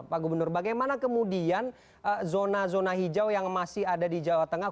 pak gubernur bagaimana kemudian zona zona hijau yang masih ada di jawa tengah